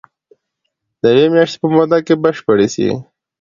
د يوې مياشتي په موده کي بشپړي سي.